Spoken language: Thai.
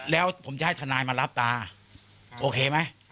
แล้วผมจะให้ทนายมารับตาโอเคไหม